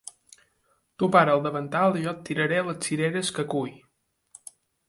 Tu para el davantal i jo et tiraré les cireres que culli.